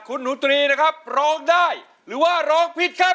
คุณหนูตรีนะครับร้องได้หรือว่าร้องผิดครับ